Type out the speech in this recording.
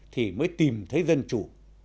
thì mới tìm thấy dân chủ